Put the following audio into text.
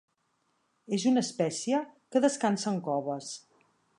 És una espècie que descansa en coves.